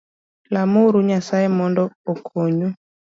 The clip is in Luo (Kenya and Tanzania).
Lam uru Nyasae mondo okony u